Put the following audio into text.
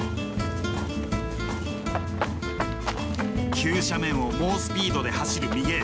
急斜面を猛スピードで走るミゲール。